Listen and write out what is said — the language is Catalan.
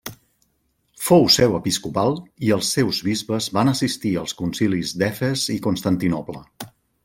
Fou seu episcopal i els seus bisbes van assistir als concilis d'Efes i Constantinoble.